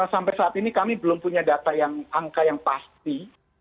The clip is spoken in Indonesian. sampai saat ini kami belum punya data yang angka yang pasti